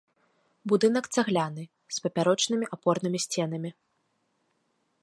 Будынак цагляны, з папярочнымі апорнымі сценамі.